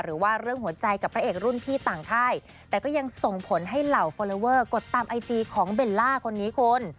หรือว่าเรื่องหัวใจกับพระเอกรุ่นพี่ต่างค่ายแต่ก็ยังส่งผลให้เหล่าฟอลลอเวอร์กดตามไอจีของเบลล่าคนนี้คุณ